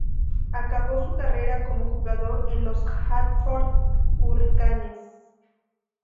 Acabó su carrera como jugador en los Hartford Hurricanes.